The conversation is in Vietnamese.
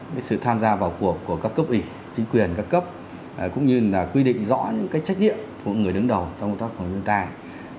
với sự tham gia vào cuộc của các cấp ủy chính quyền các cấp cũng như là quy định rõ những trách nhiệm của người đứng đầu trong công tác phòng chống thiên tai